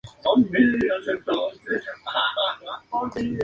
Por esa razón, se asusta y escapa quedando un solo ladrón.